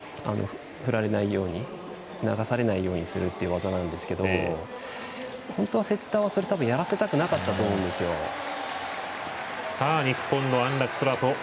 足の甲をホールドに引っ掛けて振られないよう流されないようにするっていう技なんですけど本当はセッターはそれをやらせたくなかったんだと日本の安楽宙斗